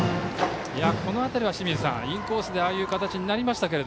この辺りはインコースでああいう形になりましたが。